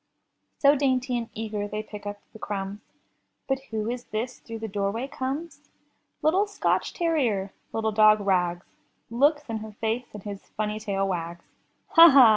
So dainty and eager they pick up the crumbs. But who is this through the doorway comes? Little Scotch terrier, little dog Rags, Looks in her face and his funny tail wags. ''Ha! ha!